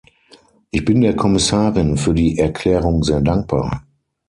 Ich bin der Kommissarin für die Erklärung sehr dankbar.